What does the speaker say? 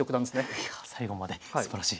いやあ最後まですばらしい。